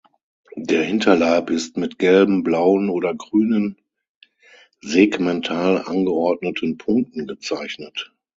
Der Hinterleib ist mit gelben, blauen oder grünen segmental angeordneten Punkten gezeichnet.